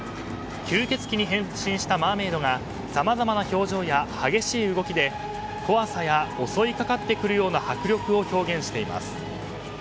吸血鬼に変身したマーメイドがさまざまな表情や激しい動きで怖さや襲いかかってくるような迫力を表現しています。